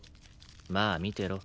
まあ見てろ。